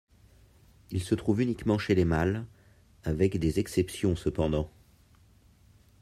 Il se trouve uniquement chez les mâles, avec des exceptions cependant.